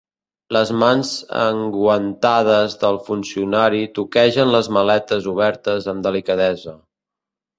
Les mans enguantades del funcionari toquegen les maletes obertes amb delicadesa.